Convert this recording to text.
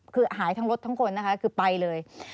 คือหายทั้งรถทั้งคนนะคะคือไปเลย